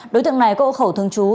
đối tượng này có hỗ khẩu thường trú